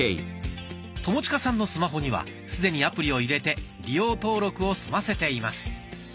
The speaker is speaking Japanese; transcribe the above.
友近さんのスマホには既にアプリを入れて利用登録を済ませています。